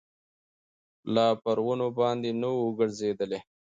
لا پر ونو باندي نه ووګرځېدلی